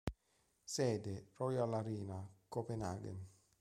Sede: Royal Arena, Copenaghen.